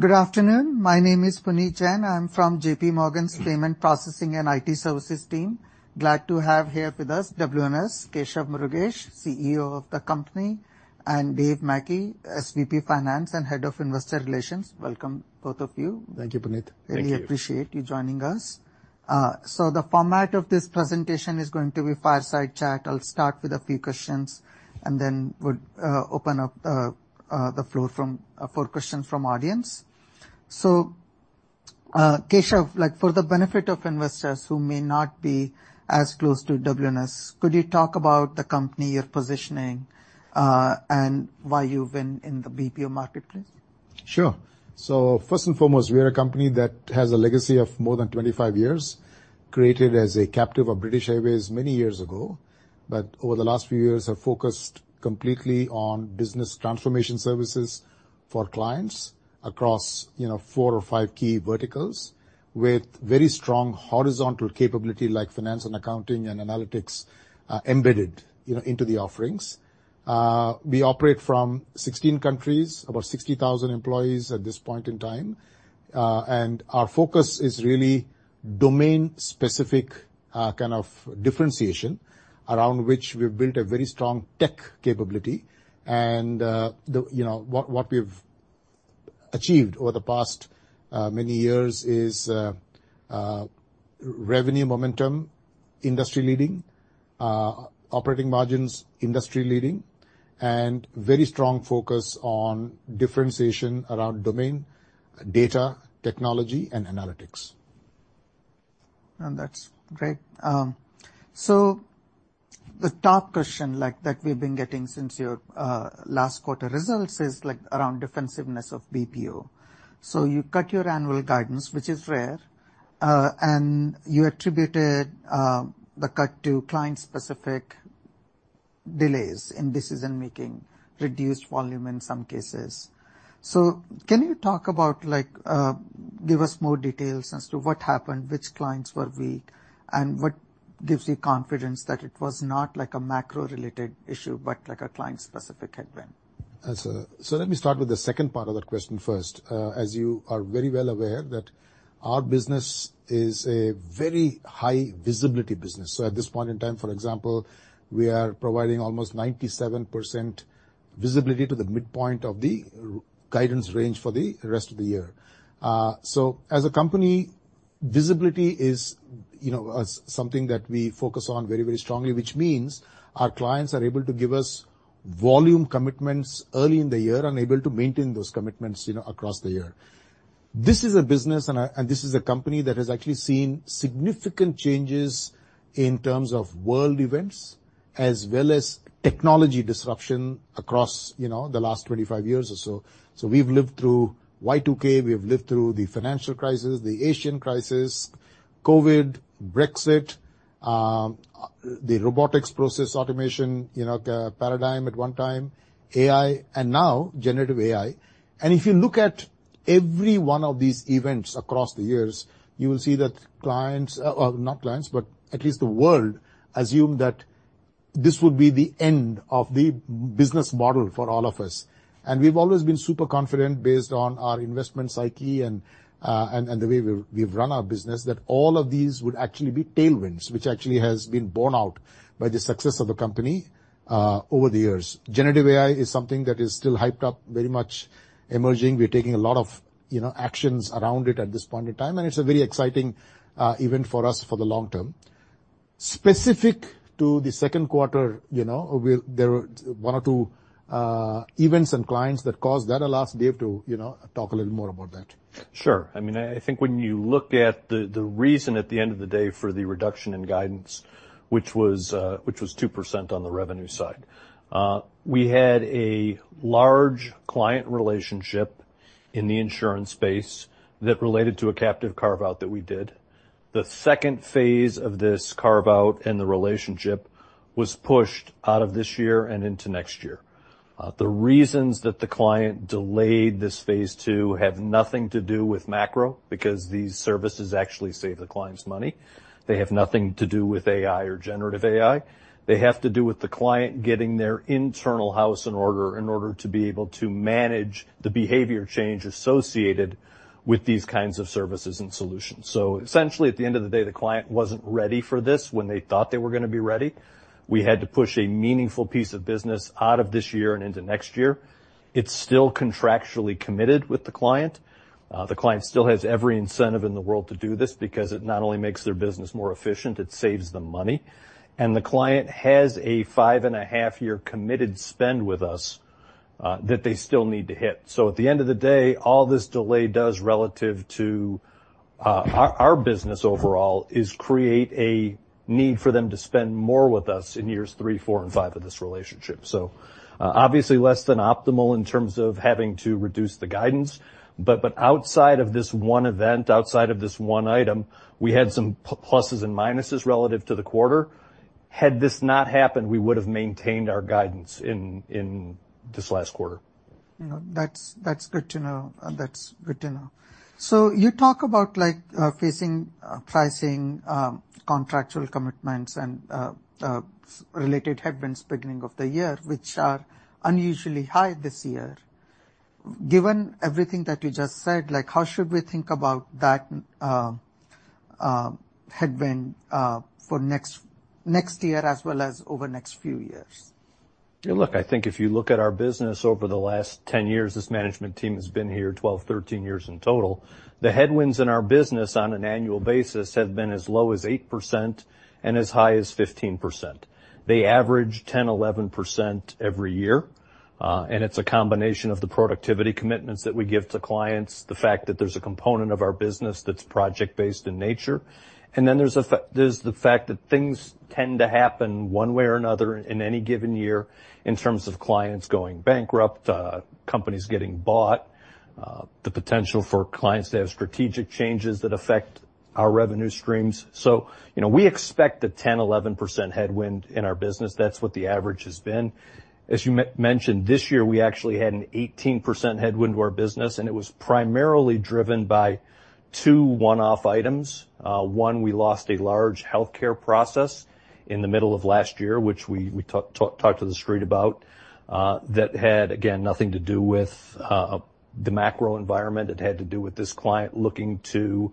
G ood afternoon. My name is Puneet Jain. I'm from JPMorgan's Payment Processing and IT Services team. Glad to have here with us WNS, Keshav Murugesh, CEO of the company, and Dave Mackey, SVP Finance and Head of Investor Relations. Welcome, both of you. Thank you, Puneet. Thank you. We appreciate you joining us. So the format of this presentation is going to be fireside chat. I'll start with a few questions, and then we'll open up the floor for questions from the audience. So, Keshav, like, for the benefit of investors who may not be as close to WNS, could you talk about the company, your positioning, and why you've been in the BPO marketplace? Sure. So first and foremost, we are a company that has a legacy of more than 25 years, created as a captive of British Airways many years ago, but over the last few years, have focused completely on business transformation services for clients across, you know, four or five key verticals, with very strong horizontal capability, like finance and accounting and analytics, embedded, you know, into the offerings. We operate from 16 countries, about 60,000 employees at this point in time, and our focus is really domain-specific, kind of differentiation, around which we've built a very strong tech capability. And, you know, what we've achieved over the past many years is revenue momentum, industry-leading operating margins, industry-leading, and very strong focus on differentiation around domain, data, technology, and analytics. That's great. The top question like that we've been getting since your last quarter results is like around defensiveness of BPO. You cut your annual guidance, which is rare, and you attributed the cut to client-specific delays in decision-making, reduced volume in some cases. Can you talk about like give us more details as to what happened, which clients were weak, and what gives you confidence that it was not like a macro-related issue, but like a client-specific headwind? So let me start with the second part of that question first. As you are very well aware, our business is a very high visibility business. So at this point in time, for example, we are providing almost 97% visibility to the midpoint of the our guidance range for the rest of the year. So as a company, visibility is, you know, something that we focus on very, very strongly, which means our clients are able to give us volume commitments early in the year and able to maintain those commitments, you know, across the year. This is a business and this is a company that has actually seen significant changes in terms of world events as well as technology disruption across, you know, the last 25 years or so. So we've lived through Y2K, we've lived through the financial crisis, the Asian crisis, COVID, Brexit, the robotic process automation, you know, paradigm at one time, AI, and now generative AI. And if you look at every one of these events across the years, you will see that clients, not clients, but at least the world, assumed that this would be the end of the business model for all of us. And we've always been super confident based on our investment psyche and, and the way we've run our business, that all of these would actually be tailwinds, which actually has been borne out by the success of the company, over the years. generative AI is something that is still hyped up, very much emerging. We are taking a lot of, you know, actions around it at this point in time, and it's a very exciting event for us for the long term. Specific to the second quarter, you know, we there were one or two events and clients that caused that. I'll ask Dave to, you know, talk a little more about that. Sure. I mean, I think when you look at the reason at the end of the day for the reduction in guidance, which was 2% on the revenue side, we had a large client relationship in the insurance space that related to a captive carve-out that we did. The second phase of this carve-out and the relationship was pushed out of this year and into next year. The reasons that the client delayed this phase two have nothing to do with macro, because these services actually save the clients money. They have nothing to do with AI or generative AI. They have to do with the client getting their internal house in order, in order to be able to manage the behavior change associated with these kinds of services and solutions. So essentially, at the end of the day, the client wasn't ready for this when they thought they were gonna be ready. We had to push a meaningful piece of business out of this year and into next year. It's still contractually committed with the client. The client still has every incentive in the world to do this, because it not only makes their business more efficient, it saves them money. And the client has a five and a half year committed spend with us, that they still need to hit. So at the end of the day, all this delay does relative to our business overall is create a need for them to spend more with us in years three, four, and five of this relationship. So, obviously less than optimal in terms of having to reduce the guidance, but outside of this one event, outside of this one item, we had some pluses and minuses relative to the quarter. Had this not happened, we would have maintained our guidance in this last quarter. You know, that's, that's good to know. That's good to know. So you talk about, like, facing pricing contractual commitments and related headwinds beginning of the year, which are unusually high this year. Given everything that you just said, like, how should we think about that headwind for next, next year as well as over the next few years? Yeah, look, I think if you look at our business over the last 10 years, this management team has been here 12, 13 years in total. The headwinds in our business on an annual basis have been as low as 8% and as high as 15%. They average 10, 11% every year. And it's a combination of the productivity commitments that we give to clients, the fact that there's a component of our business that's project-based in nature, and then there's the fact that things tend to happen one way or another in any given year in terms of clients going bankrupt, companies getting bought, the potential for clients to have strategic changes that affect our revenue streams. So, you know, we expect a 10, 11% headwind in our business. That's what the average has been. As you mentioned, this year, we actually had an 18% headwind to our business, and it was primarily driven by two one-off items. One, we lost a large healthcare process in the middle of last year, which we talked to the street about, that had, again, nothing to do with the macro environment. It had to do with this client looking to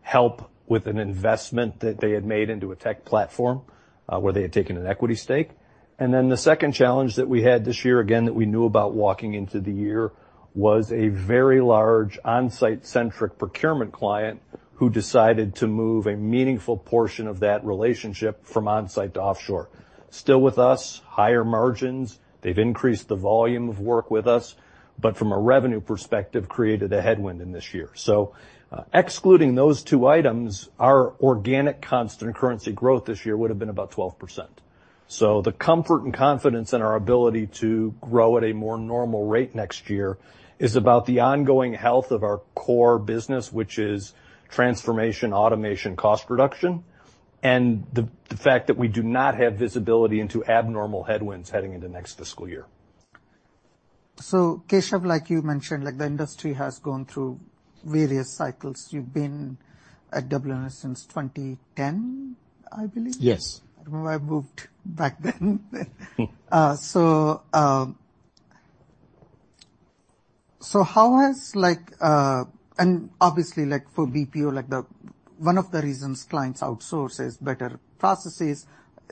help with an investment that they had made into a tech platform, where they had taken an equity stake. And then the second challenge that we had this year, again, that we knew about walking into the year, was a very large on-site centric procurement client who decided to move a meaningful portion of that relationship from on-site to offshore. Still with us, higher margins, they've increased the volume of work with us, but from a revenue perspective, created a headwind in this year. So excluding those two items, our organic constant currency growth this year would have been about 12%. So the comfort and confidence in our ability to grow at a more normal rate next year is about the ongoing health of our core business, which is transformation, automation, cost reduction, and the fact that we do not have visibility into abnormal headwinds heading into next fiscal year. So, Keshav, like you mentioned, like, the industry has gone through various cycles. You've been at WNS since 2010, I believe? Yes. I remember I moved back then. So how has, like, and obviously, like for BPO, one of the reasons clients outsource is better processes,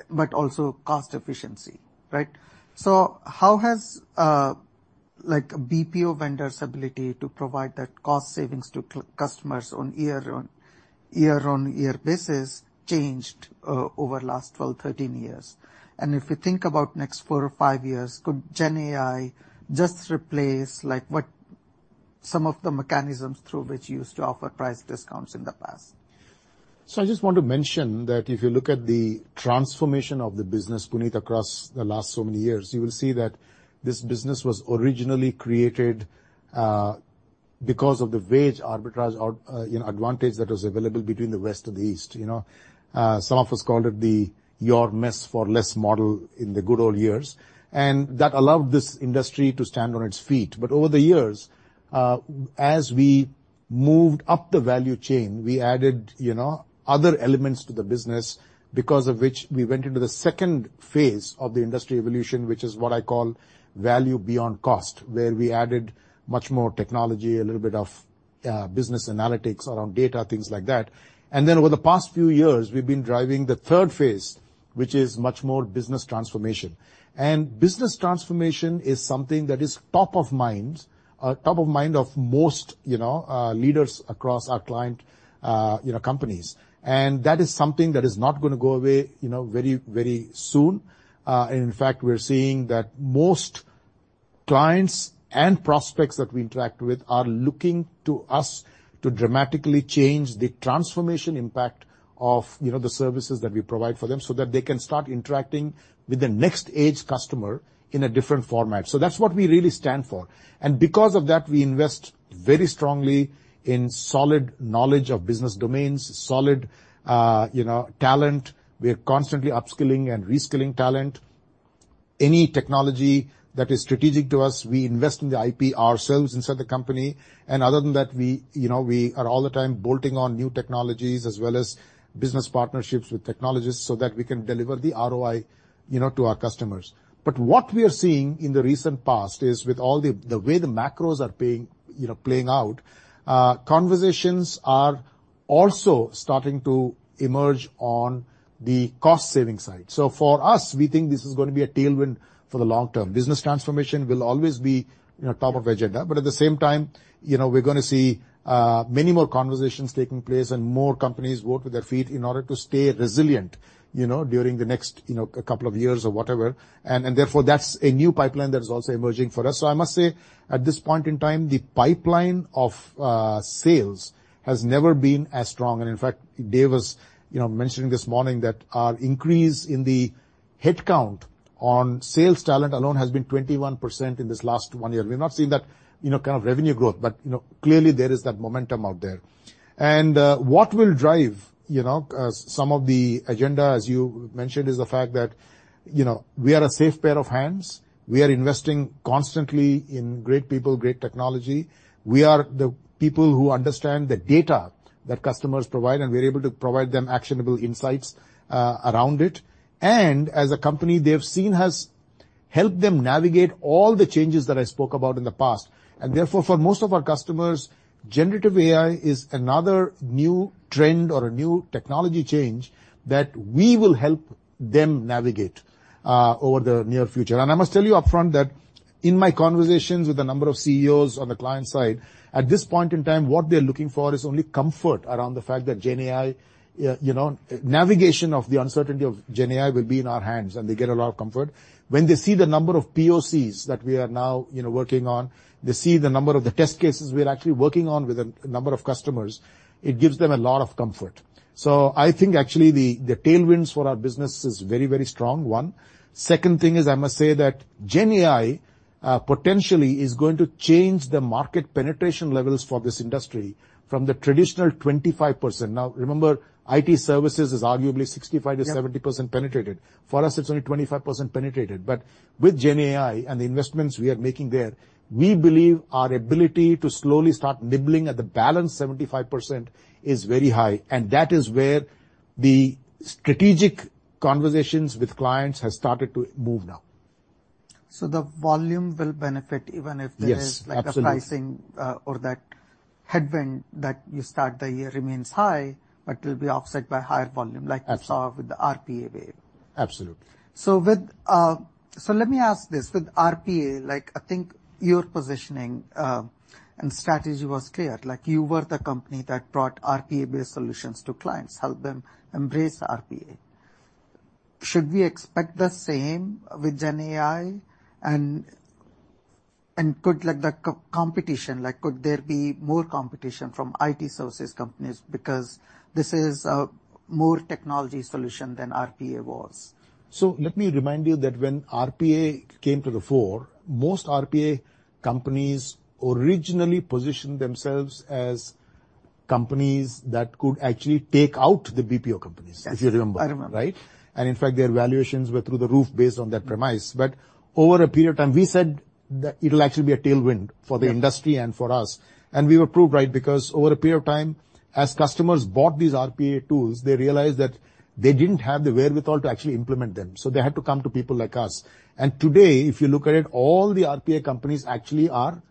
but also cost efficiency, right? So how has, like, BPO vendor's ability to provide that cost savings to customers on year-on-year basis changed over the last 12, 13 years? And if you think about next four or five years, could Gen AI just replace, like, what some of the mechanisms through which you used to offer price discounts in the past? So I just want to mention that if you look at the transformation of the business, Puneet, across the last so many years, you will see that this business was originally created because of the wage arbitrage advantage that was available between the West and the East. You know, some of us called it the more for less model in the good old years, and that allowed this industry to stand on its feet. But over the years, as we moved up the value chain, we added, you know, other elements to the business, because of which we went into the second phase of the industry evolution, which is what I call value beyond cost, where we added much more technology, a little bit of business analytics around data, things like that. And then over the past few years, we've been driving the third phase, which is much more business transformation. Business transformation is something that is top of mind, top of mind of most, you know, leaders across our client, you know, companies. That is something that is not gonna go away, you know, very, very soon. And in fact, we're seeing that most clients and prospects that we interact with are looking to us to dramatically change the transformation impact of, you know, the services that we provide for them, so that they can start interacting with the next age customer in a different format. So that's what we really stand for, and because of that, we invest very strongly in solid knowledge of business domains, solid, you know, talent. We are constantly upskilling and reskilling talent. Any technology that is strategic to us, we invest in the IP ourselves inside the company, and other than that, we, you know, we are all the time bolting on new technologies as well as business partnerships with technologists so that we can deliver the ROI, you know, to our customers. But what we are seeing in the recent past is, with all the, the way the macros are being, you know, playing out, conversations are also starting to emerge on the cost-saving side. So for us, we think this is gonna be a tailwind for the long term. Business transformation will always be, you know, top of agenda, but at the same time, you know, we're gonna see many more conversations taking place and more companies work with their FTEs in order to stay resilient, you know, during the next, you know, couple of years or whatever. And therefore, that's a new pipeline that is also emerging for us. So I must say, at this point in time, the pipeline of sales has never been as strong. And in fact, Dave was, you know, mentioning this morning that our increase in the headcount on sales talent alone has been 21% in this last one year. We've not seen that, you know, kind of revenue growth, but, you know, clearly there is that momentum out there. And what will drive, you know, some of the agenda, as you mentioned, is the fact that, you know, we are a safe pair of hands. We are investing constantly in great people, great technology. We are the people who understand the data that customers provide, and we're able to provide them actionable insights around it. As a company, they have seen us help them navigate all the changes that I spoke about in the past. Therefore, for most of our customers, generative AI is another new trend or a new technology change that we will help them navigate over the near future. I must tell you upfront that in my conversations with a number of CEOs on the client side, at this point in time, what they're looking for is only comfort around the fact that Gen AI, you know, navigation of the uncertainty of Gen AI will be in our hands, and they get a lot of comfort. When they see the number of POCs that we are now, you know, working on, they see the number of the test cases we are actually working on with a number of customers, it gives them a lot of comfort. So I think actually the tailwinds for our business is very, very strong, one. Second thing is, I must say that Gen AI, uh, potentially is going to change the market penetration levels for this industry from the traditional 25%. Now remember, IT services is arguably 65 to- Yep 70% penetrated. For us, it's only 25% penetrated. But with Gen AI and the investments we are making there, we believe our ability to slowly start nibbling at the balance 75% is very high, and that is where the strategic conversations with clients have started to move now. The volume will benefit even if there is- Yes, absolutely like, a pricing, or that headwind that you start the year remains high, but will be offset by higher volume. Absolutely like we saw with the RPA wave. Absolutely. So with... So let me ask this: with RPA, like, I think your positioning and strategy was clear. Like, you were the company that brought RPA-based solutions to clients, helped them embrace RPA. Should we expect the same with Gen AI, and could, like, the co-competition—like, could there be more competition from IT services companies? Because this is a more technology solution than RPA was. Let me remind you that when RPA came to the fore, most RPA companies originally positioned themselves as companies that could actually take out the BPO companies- Yes if you remember. I remember. Right? In fact, their valuations were through the roof based on that premise. Over a period of time, we said that it'll actually be a tailwind for the industry- Yep and for us. We were proved right, because over a period of time, as customers bought these RPA tools, they realized that they didn't have the wherewithal to actually implement them, so they had to come to people like us. Today, if you look at it, all the RPA companies actually are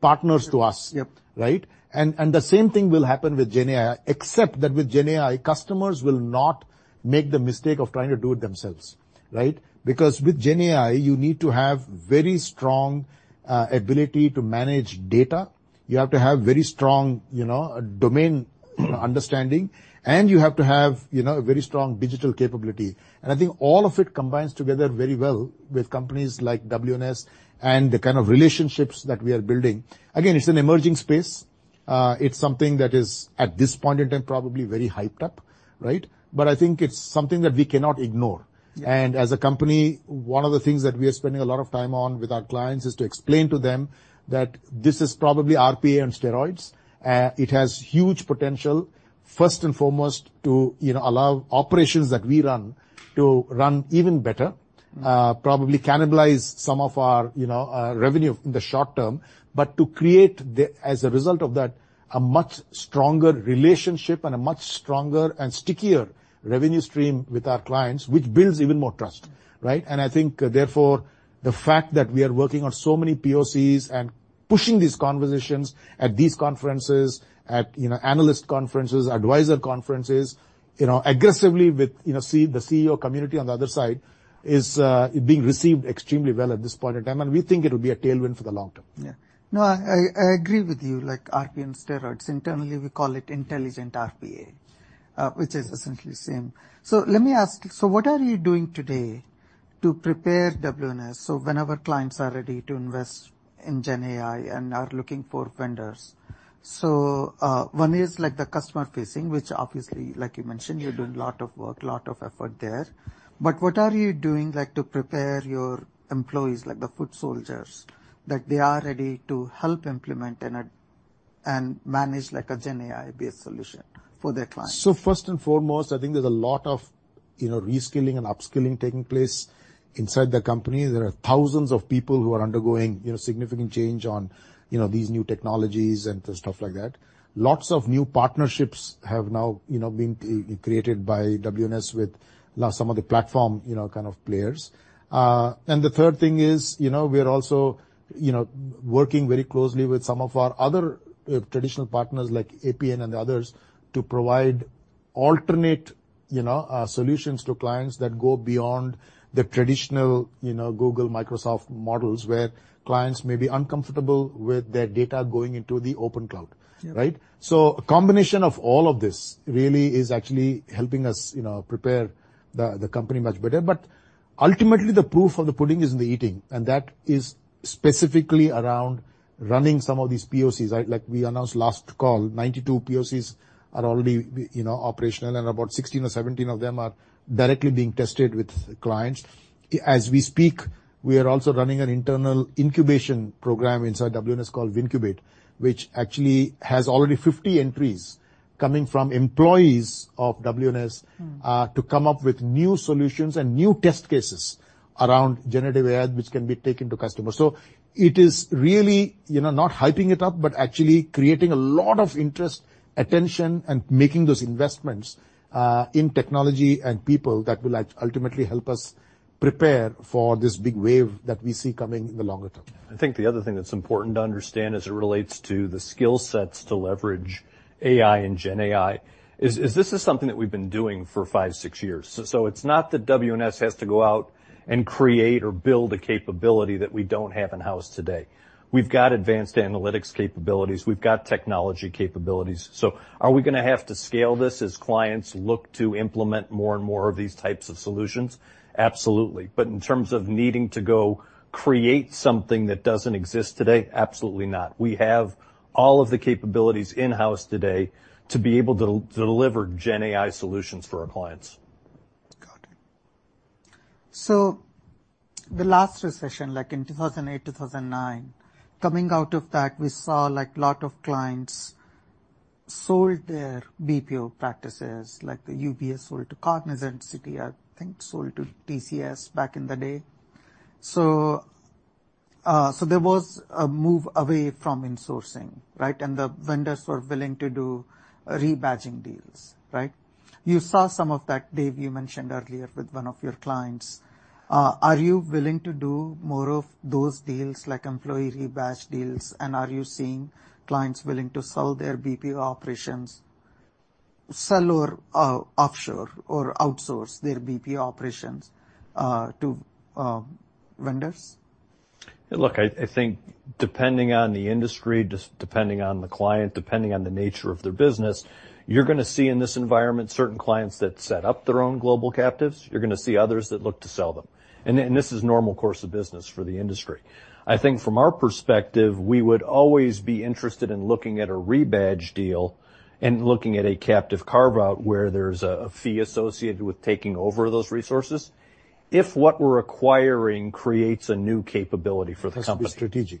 partners to us. Yep. Right? And the same thing will happen with Gen AI, except that with Gen AI, customers will not make the mistake of trying to do it themselves, right? Because with Gen AI, you need to have very strong ability to manage data. You have to have very strong, you know, domain understanding. And you have to have, you know, a very strong digital capability. And I think all of it combines together very well with companies like WNS and the kind of relationships that we are building. Again, it's an emerging space. It's something that is, at this point in time, probably very hyped up, right? But I think it's something that we cannot ignore. Yep. As a company, one of the things that we are spending a lot of time on with our clients is to explain to them that this is probably RPA on steroids. It has huge potential, first and foremost, to, you know, allow operations that we run to run even better. Probably cannibalize some of our, you know, revenue in the short term, but to create the... as a result of that, a much stronger relationship and a much stronger and stickier revenue stream with our clients, which builds even more trust, right? And I think therefore, the fact that we are working on so many POCs and pushing these conversations at these conferences, at, you know, analyst conferences, advisor conferences, you know, aggressively with, you know, C- the CEO community on the other side, is, being received extremely well at this point in time, and we think it will be a tailwind for the long term. Yeah. No, I agree with you, like RPA on steroids. Internally, we call it intelligent RPA, which is essentially the same. So let me ask, so what are you doing today to prepare WNS so whenever clients are ready to invest in Gen AI and are looking for vendors? So, one is like the customer-facing, which obviously, like you mentioned you're doing a lot of work, a lot of effort there. But what are you doing, like, to prepare your employees, like the foot soldiers, that they are ready to help implement and manage, like, a Gen AI-based solution for their clients? So first and foremost, I think there's a lot of, you know, reskilling and upskilling taking place inside the company. There are thousands of people who are undergoing, you know, significant change on, you know, these new technologies and stuff like that. Lots of new partnerships have now, you know, been created by WNS with some of the platform, you know, kind of players. And the third thing is, you know, we're also, you know, working very closely with some of our other traditional partners, like Appian and others, to provide alternate, you know, solutions to clients that go beyond the traditional, you know, Google, Microsoft models, where clients may be uncomfortable with their data going into the open cloud. Yep. Right? So a combination of all of this really is actually helping us, you know, prepare the, the company much better. But ultimately, the proof of the pudding is in the eating, and that is specifically around running some of these POCs, right? Like we announced last call, 92 POCs are already, you know, operational, and about 16 or 17 of them are directly being tested with clients. As we speak, we are also running an internal incubation program inside WNS called Wincubate, which actually has already 50 entries coming from employees of WNS- to come up with new solutions and new test cases around generative AI, which can be taken to customers. So it is really, you know, not hyping it up, but actually creating a lot of interest, attention, and making those investments in technology and people that will ultimately help us prepare for this big wave that we see coming in the longer term. I think the other thing that's important to understand as it relates to the skill sets to leverage AI and GenAI is this something that we've been doing for five, six years. So it's not that WNS has to go out and create or build a capability that we don't have in-house today. We've got advanced analytics capabilities. We've got technology capabilities. So are we gonna have to scale this as clients look to implement more and more of these types of solutions? Absolutely. But in terms of needing to go create something that doesn't exist today, absolutely not. We have all of the capabilities in-house today to be able to, to deliver GenAI solutions for our clients. Got iT. So the last recession, like in 2008, 2009, coming out of that, we saw, like, a lot of clients sold their BPO practices, like the UBS sold to Cognizant, Citi, I think, sold to TCS back in the day. So, so there was a move away from insourcing, right? And the vendors were willing to do rebadging deals, right? You saw some of that, Dave, you mentioned earlier with one of your clients. Are you willing to do more of those deals, like employee rebadge deals? And are you seeing clients willing to sell their BPO operations, sell or, offshore or outsource their BPO operations, to, vendors? Look, I, I think depending on the industry, just depending on the client, depending on the nature of their business, you're gonna see in this environment certain clients that set up their own global captives. You're gonna see others that look to sell them. And then, this is normal course of business for the industry. I think from our perspective, we would always be interested in looking at a rebadge deal and looking at a captive carve-out where there's a, a fee associated with taking over those resources. If what we're acquiring creates a new capability for the company- It has to be strategic.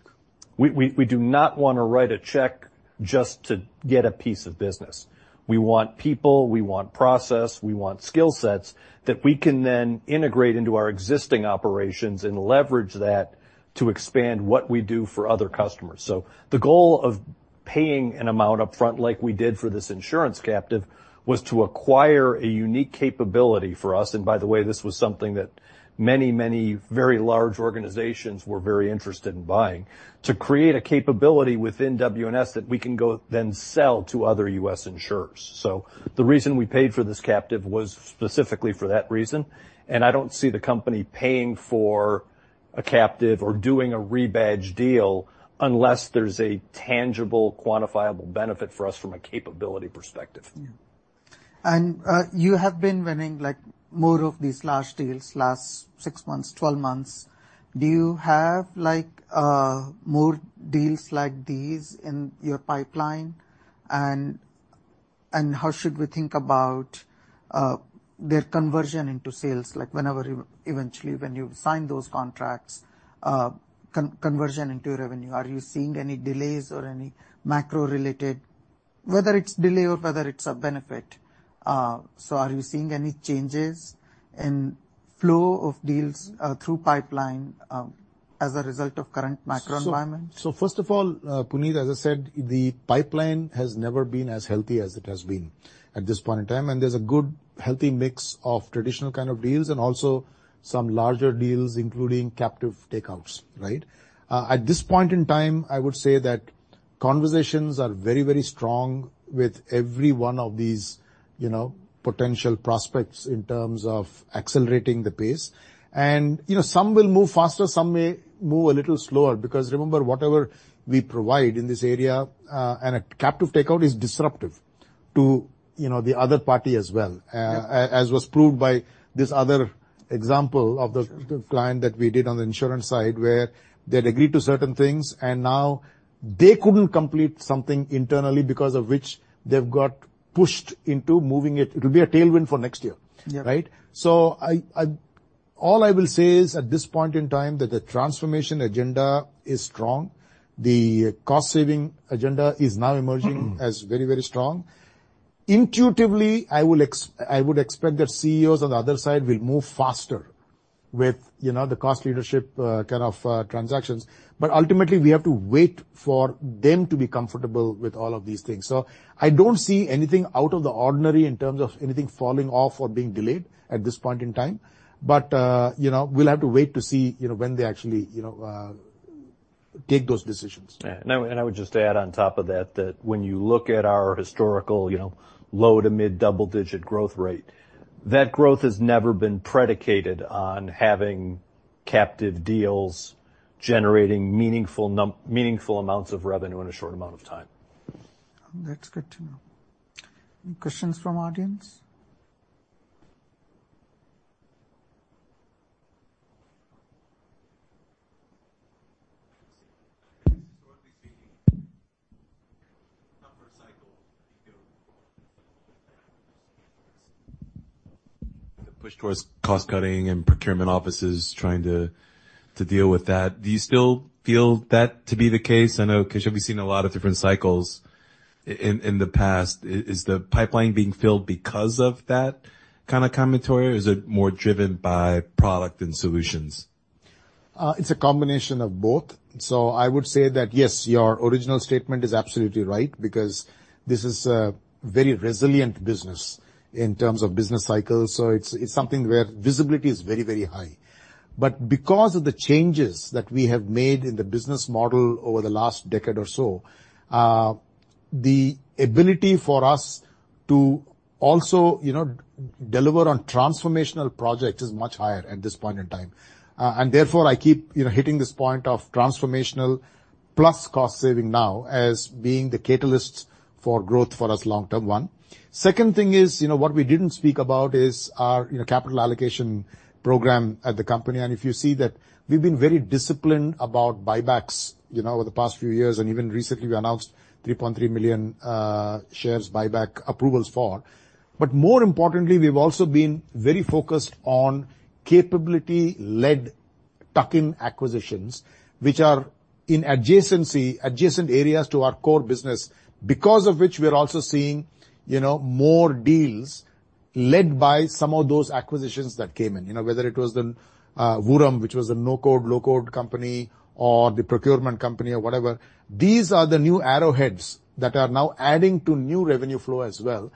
We do not wanna write a check just to get a piece of business. We want people, we want process, we want skill sets that we can then integrate into our existing operations and leverage that to expand what we do for other customers. So the goal of paying an amount upfront, like we did for this insurance captive, was to acquire a unique capability for us. And by the way, this was something that many, many very large organizations were very interested in buying, to create a capability within WNS that we can go then sell to other U.S. insurers. So the reason we paid for this captive was specifically for that reason, and I don't see the company paying for a captive or doing a rebadge deal unless there's a tangible, quantifiable benefit for us from a capability perspective. Yeah. And, you have been winning, like, more of these large deals last 6 months, 12 months. Do you have, like, more deals like these in your pipeline? And, how should we think about, their conversion into sales? Like, whenever you eventually, when you sign those contracts, conversion into revenue, are you seeing any delays or any macro-related. Whether it's delay or whether it's a benefit, so are you seeing any changes in flow of deals, through pipeline, as a result of current macro environment? First of all, Puneet, as I said, the pipeline has never been as healthy as it has been at this point in time, and there's a good, healthy mix of traditional kind of deals and also some larger deals, including captive takeouts, right? At this point in time, I would say that conversations are very, very strong with every one of these, you know, potential prospects in terms of accelerating the pace. And, you know, some will move faster, some may move a little slower, because remember, whatever we provide in this area, and a captive takeout is disruptive to, you know, the other party as well. Yeah. As was proved by this other example of the- Sure client that we did on the insurance side, where they'd agreed to certain things, and now they couldn't complete something internally, because of which they've got pushed into moving it. It will be a tailwind for next year. Yeah. Right? So all I will say is, at this point in time, that the transformation agenda is strong. The cost-saving agenda is now emerging as very, very strong. Intuitively, I would expect that CEOs on the other side will move faster with, you know, the cost leadership kind of transactions, but ultimately, we have to wait for them to be comfortable with all of these things. So I don't see anything out of the ordinary in terms of anything falling off or being delayed at this point in time, but, you know, we'll have to wait to see, you know, when they actually, you know, take those decisions. Yeah. And I would just add on top of that, that when you look at our historical, you know, low to mid double-digit growth rate, that growth has never been predicated on having captive deals generating meaningful amounts of revenue in a short amount of time. That's good to know. Any questions from audience? So are we seeing upper cycle, the push towards cost cutting and procurement offices trying to deal with that, do you still feel that to be the case? I know, Keshu, we've seen a lot of different cycles in the past. Is the pipeline being filled because of that kind of commentary, or is it more driven by product and solutions? It's a combination of both. So I would say that, yes, your original statement is absolutely right, because this is a very resilient business in terms of business cycles, so it's, it's something where visibility is very, very high. But because of the changes that we have made in the business model over the last decade or so, the ability for us to also, you know, deliver on transformational projects is much higher at this point in time. And therefore, I keep, you know, hitting this point of transformational plus cost saving now as being the catalysts for growth for us, long-term one. Second thing is, you know, what we didn't speak about is our, you know, capital allocation program at the company. And if you see that we've been very disciplined about buybacks, you know, over the past few years, and even recently we announced 3.3 million shares buyback approvals for. But more importantly, we've also been very focused on capability-led tuck-in acquisitions, which are in adjacency, adjacent areas to our core business. Because of which we are also seeing, you know, more deals led by some of those acquisitions that came in, you know, whether it was the Vuram, which was a no-code, low-code company, or the procurement company or whatever. These are the new arrowheads that are now adding to new revenue flow as well.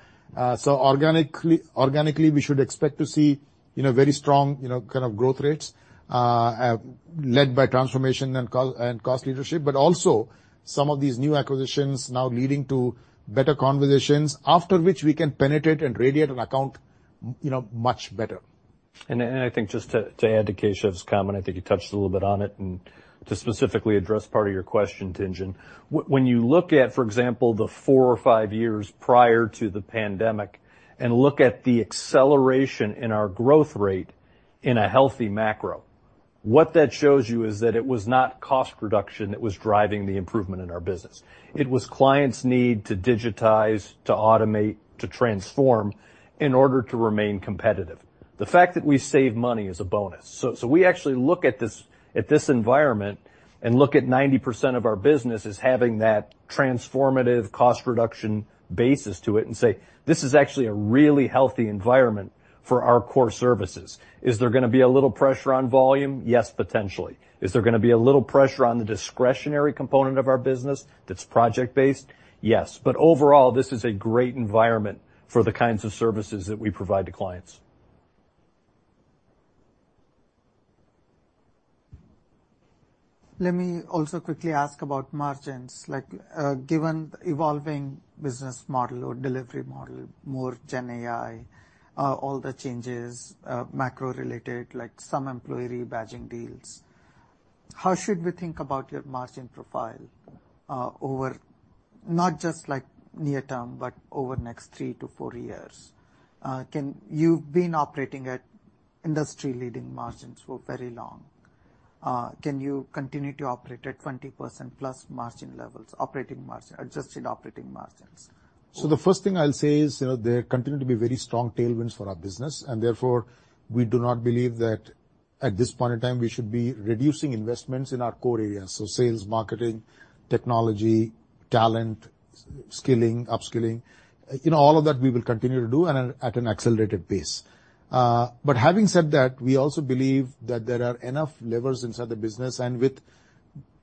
So organically, we should expect to see, you know, very strong, you know, kind of growth rates, led by transformation and cost leadership, but also some of these new acquisitions now leading to better conversations, after which we can penetrate and radiate an account, you know, much better. I think just to add to Keshav's comment, I think you touched a little bit on it, and to specifically address part of your question, Tingen. When you look at, for example, the four or five years prior to the pandemic and look at the acceleration in our growth rate in a healthy macro, what that shows you is that it was not cost reduction that was driving the improvement in our business. It was clients' need to digitize, to automate, to transform in order to remain competitive. The fact that we save money is a bonus. So we actually look at this environment and look at 90% of our business as having that transformative cost reduction basis to it, and say, "This is actually a really healthy environment for our core services." Is there gonna be a little pressure on volume? Yes, potentially. Is there gonna be a little pressure on the discretionary component of our business that's project-based? Yes. But overall, this is a great environment for the kinds of services that we provide to clients. Let me also quickly ask about margins. Like, given the evolving business model or delivery model, more GenAI, all the changes, macro-related, like some employee rebadge deals, how should we think about your margin profile, over not just like near term, but over the next three to four years? You've been operating at industry-leading margins for very long. Can you continue to operate at 20%+ margin levels, operating margin, adjusted operating margins? So the first thing I'll say is, you know, there continue to be very strong tailwinds for our business, and therefore, we do not believe that at this point in time, we should be reducing investments in our core areas. So sales, marketing, technology, talent, skilling, upskilling, you know, all of that we will continue to do and at an accelerated pace. But having said that, we also believe that there are enough levers inside the business, and with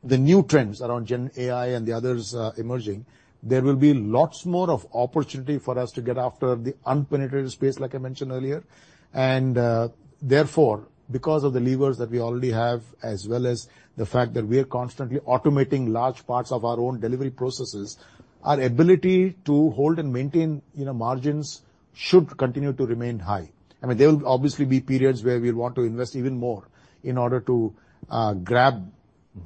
the new trends around GenAI and the others, emerging, there will be lots more of opportunity for us to get after the unpenetrated space, like I mentioned earlier. Therefore, because of the levers that we already have, as well as the fact that we are constantly automating large parts of our own delivery processes, our ability to hold and maintain, you know, margins, should continue to remain high. I mean, there will obviously be periods where we'll want to invest even more in order to grab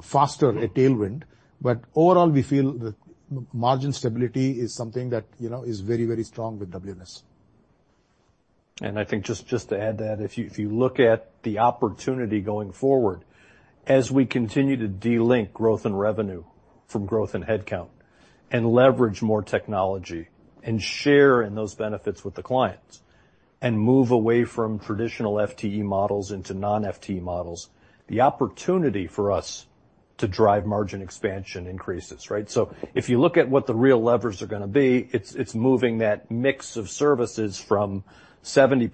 faster a tailwind, but overall, we feel the margin stability is something that, you know, is very, very strong with WNS. I think just to add to that, if you look at the opportunity going forward, as we continue to de-link growth in revenue from growth in headcount and leverage more technology, and share in those benefits with the clients, and move away from traditional FTE models into non-FTE models, the opportunity for us to drive margin expansion increases, right? So if you look at what the real levers are gonna be, it's moving that mix of services from 70%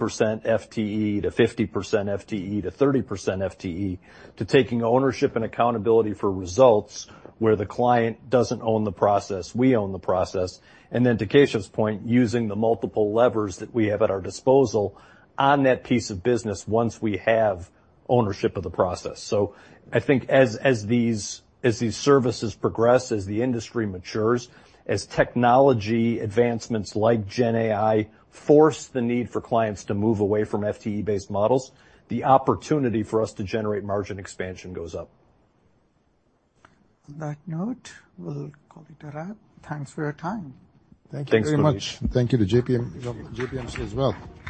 FTE-50% FTE -30% FTE, to taking ownership and accountability for results where the client doesn't own the process, we own the process. And then to Keshav's point, using the multiple levers that we have at our disposal on that piece of business once we have ownership of the process. So I think as these services progress, as the industry matures, as technology advancements like GenAI force the need for clients to move away from FTE-based models, the opportunity for us to generate margin expansion goes up. On that note, we'll call it a wrap. Thanks for your time. Thank you much. Thanks. Thank you to JPM, JPMC as well.